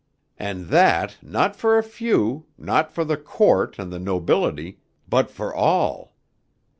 And that not for a few, not for the Court and the nobility, but for all.